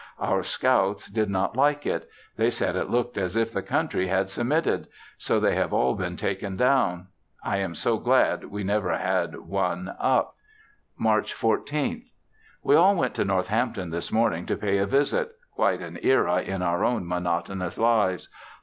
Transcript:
Our scouts did not like it; they said it looked as if the country had submitted, so they have all been taken down. I am so glad we never had one up. March 14th. We all went to Northampton this morning to pay a visit; quite an era in our own monotonous lives.